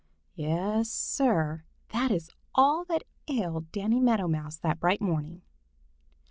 Yes, Sir, that is all that ailed Danny Meadow Mouse that bright morning.